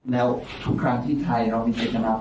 แล้วทุกครั้งที่ไทยเรามีเศรษฐกรรม